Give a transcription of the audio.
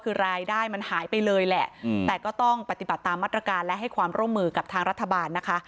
คือรายได้มันหายไปเลยแหละแต่ก็ต้องปฏิบัติตามมาตรการและให้ความร่วมมือกับทางรัฐบาลนะคะ